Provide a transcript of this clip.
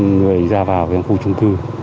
người ra vào khu trung cư